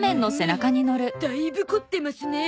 だいぶ凝ってますね。